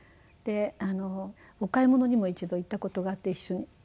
でお買い物にも一度行った事があって一緒に。